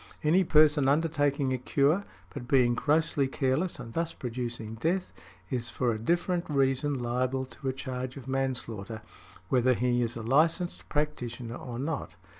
Any person undertaking a cure, but being grossly careless and thus producing death, is for a different reason liable to a charge of manslaughter, whether he is a licensed practitioner or not.